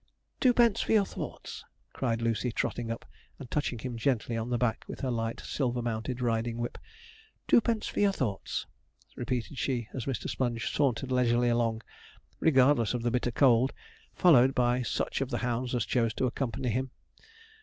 'Twopence for your thoughts!' cried Lucy, trotting up, and touching him gently on the back with her light silver mounted riding whip. 'Twopence for your thoughts!' repeated she, as Mr. Sponge sauntered leisurely along, regardless of the bitter cold, followed by such of the hounds as chose to accompany him.